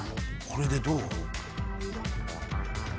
これでどう？